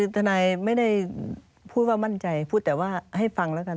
ทนายไม่ได้พูดว่ามั่นใจพูดแต่ว่าให้ฟังแล้วกัน